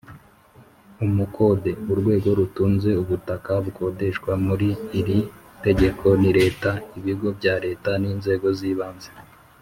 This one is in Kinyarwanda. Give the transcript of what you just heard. Umukode: urwego rutunze ubutaka bukodeshwa. Muri iri tegeko ni Leta, Ibigo bya Leta n’inzego z’ibanze